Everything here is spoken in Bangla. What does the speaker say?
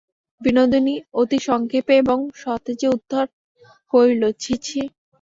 বিনোদিনী অতি সংক্ষেপে এবং সতেজে উত্তর করিল, ছি ছি।